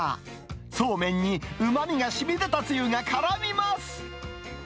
そうめんにうまみがしみ出たつゆがからみます。